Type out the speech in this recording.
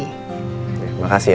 terima kasih ma